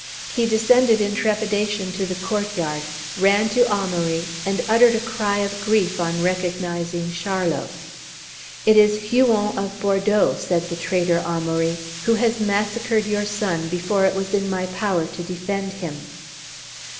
He descended in trepidation to the court yard, ran to Amaury, and uttered a cry of grief on recognizing Charlot. "It is Huon of Bordeaux," said the traitor Amaury, "who has massacred your son before it was in my power to defend him."